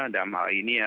ya ada hal ini ya